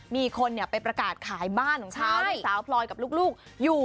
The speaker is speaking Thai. มีคนไปประกาศขายบ้านของเขาที่สาวพลอยกับลูกอยู่